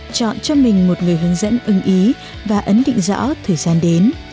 chọn cho mình một người hướng dẫn ưng ý và ấn định rõ thời gian đến